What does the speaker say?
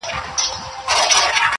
نه يوه ورځ پاچهي سي اوږدېدلاى،